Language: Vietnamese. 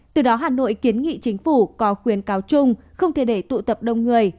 từ đó hà nội kiến nghị chính phủ có khuyến cáo chung không thể để tụ tập đông người